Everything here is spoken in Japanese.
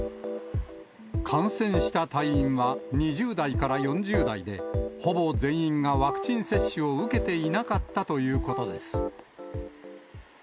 感染した隊員は２０代から４０代で、ほぼ全員がワクチン接種を受けていなかったということです。